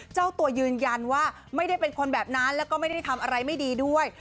เจ้าตัวยืนยันว่าไม่ได้เป็นคนแบบนั้นแล้วก็ไม่ได้ทำอะไรไม่ดีด้วย